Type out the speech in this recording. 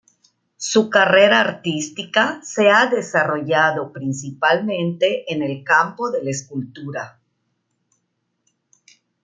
Su carrera artística se ha desarrollado principalmente en el campo de la escultura.